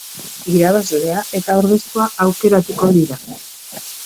Irabazlea eta ordezkoa aukeratuko dira.